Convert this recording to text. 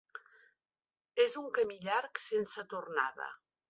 És un camí llarg sense tornada.